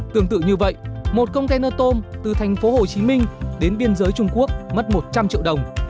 tương tự như vậy một công khen nơ tôm từ thành phố hồ chí minh đến biên giới trung quốc mất một trăm linh triệu đồng